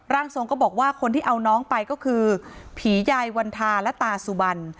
ร่างทรงก็บอกว่าคนที่เอาน้องไปก็คือผียายวันทาและตาสุบัน